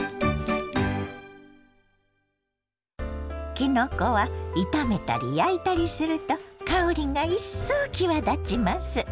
きのこは炒めたり焼いたりすると香りが一層際立ちます。